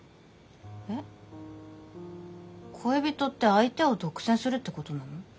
えっ恋人って相手を独占するってことなの？